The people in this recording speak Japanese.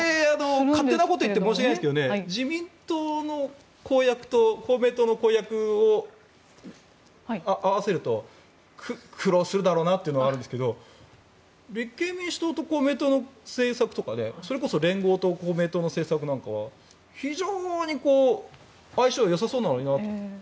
勝手なことを言って申し訳ないですが自民党の公約と公明党の公約を合わせると苦労するだろうなというのはあるんですけど立憲民主党と公明党の政策とかそれこそ連合と公明党の政策なんかは非常に相性がよさそうなのになと。